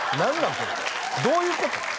これどういうこと？